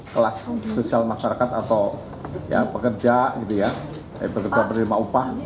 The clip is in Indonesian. kelas sosial masyarakat atau ya pekerja gitu ya pekerja berima upah